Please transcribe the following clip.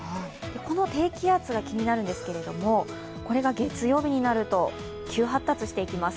この低気圧が気になるんですけれども、これが月曜日になると急発達していきます。